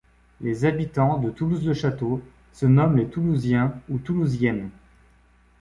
Les habitants de Toulouse-le-Château se nomment les Toulousiens et Toulousiennes.